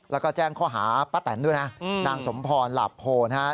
แล้วก็แจ้งข้อหาป้าแตนด้วยนะนางสมพรหลาโพนะครับ